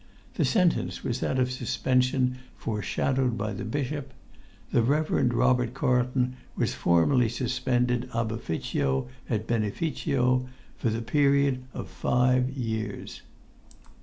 The sentence was that of suspension foreshadowed by the bishop. The Reverend Robert Carlton was formally suspended ab officio et beneficio for the period of five years.